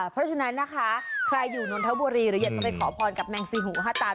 เพราะฉะนั้นนะคะใครอยู่นนทบุรีหรืออยากจะไปขอพรกับแมงซีหูห้าตา